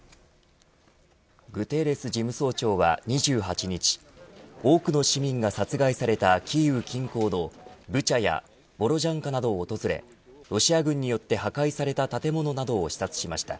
グテーレス事務総長は２８日多くの市民が殺害されたキーウ近郊のブチャやボロジャンカなどを訪れロシア軍によって破壊された建物などを視察しました。